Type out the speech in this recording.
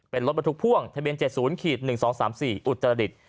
เป็นรถบรรทุกพ่วงทะเบียน๗๐๑๒๓๔อุตรดิษฐ์